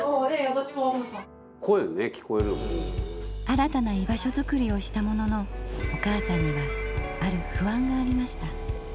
新たな居場所作りをしたもののお母さんにはある不安がありました。